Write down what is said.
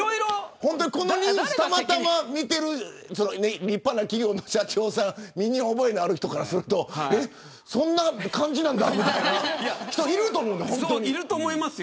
たまたま見ている立派な企業の社長さん身に覚えがある人からするとそんな感じなんだみたいな人いると思います。